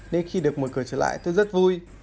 nên khi được mở cửa trở lại tôi rất vui